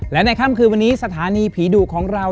และในค่ำคืนวันนี้สถานีผีดุของเรา